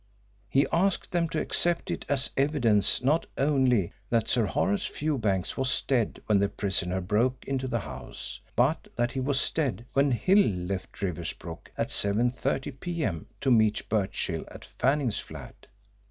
He asked them to accept it as evidence not only that Sir Horace Fewbanks was dead when the prisoner broke into the house, but that he was dead when Hill left Riversbrook at 7.30 p. m. to meet Birchill at Fanning's flat.